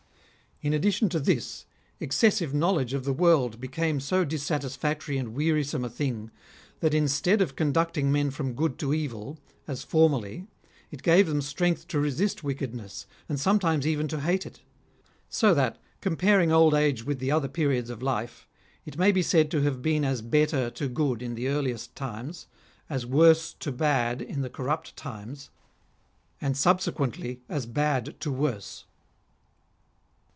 In addition to this, excessive knowledge of the world became so dissatis PHILIP OTTONIERI. 131 factory and wearisome a thing, that instead of conducting men from good to evil, as formerly, it gave them strength to resist wickedness, and sometimes even to hate it. So that, comparing old age with the other periods of life, it may be said to have been as better to good in the earliest times ; as worse to bad in the corrupt times ; and subse quently as bad to worse.